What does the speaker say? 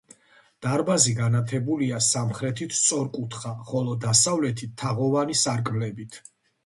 დარბაზი განათებულია სამხრეთით სწორკუთხა, ხოლო დასავლეთით თაღოვანი სარკმლებით.